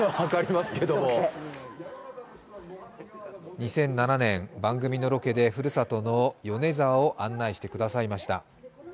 ２００７年、番組のロケでふるさと米沢市を案内してくれました。